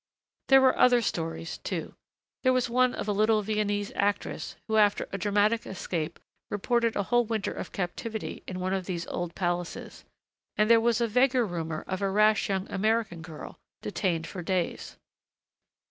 There were other stories, too. There was one of a little Viennese actress who after a dramatic escape reported a whole winter of captivity in one of these old palaces, and there was a vaguer rumor of a rash young American girl, detained for days....